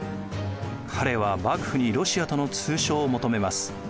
彼は幕府にロシアとの通商を求めます。